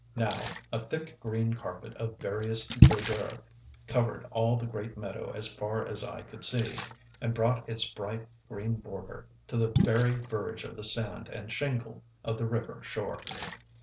Now a thick, green carpet of various verdure covered all the great meadow as far as eye could see, and brought its bright green border to the very verge of the sand and shingle of the river shore.